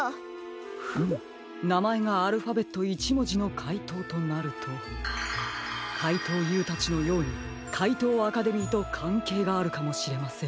フムなまえがアルファベット１もじのかいとうとなるとかいとうＵたちのようにかいとうアカデミーとかんけいがあるかもしれませんね。